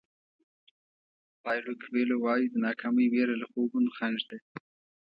پایلو کویلو وایي د ناکامۍ وېره له خوبونو خنډ ده.